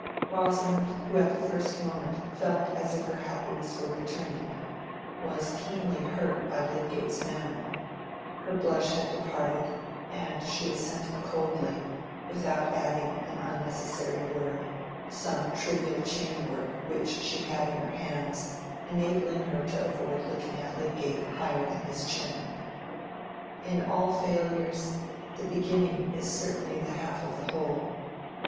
Rosamond, who at the first moment felt as if her happiness were returning, was keenly hurt by Lydgate's manner; her blush had departed, and she assented coldly, without adding an unnecessary word, some trivial chain work which she had in her hands enabling her to avoid looking at Lydgate higher than his chin. In all failures, the beginning is certainly the half of the whole.